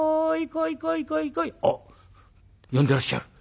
「おっ呼んでらっしゃる」。